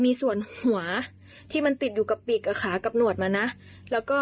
มีส่วนหัวที่มันติดอยู่กับปีกกับขากับหนวดมานะแล้วก็